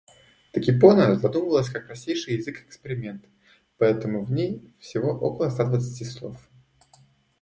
Токипона задумывалась как простейший язык-эксперимент, поэтому в ней всего около ста двадцати слов.